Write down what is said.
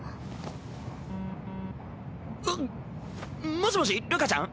もしもしるかちゃん？